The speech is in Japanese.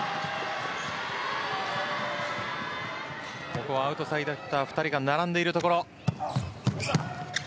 ここはアウトサイドヒッター２人が並んでいるところ。